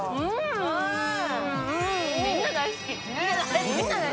みんな大好き。